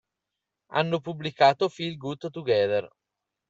Hanno pubblicato "Feel Good Together".